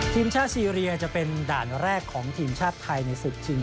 ทีมชาติซีเรียจะเป็นด่านแรกของทีมชาติไทยในศึกชิง